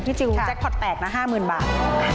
พี่จิลแจ็คพอร์ตแตกนะ๕๐๐๐๐บาท